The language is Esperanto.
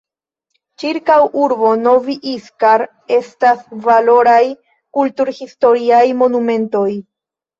Ĉirkaŭ urbo Novi Iskar estas valoraj kulturhistoriaj monumentoj.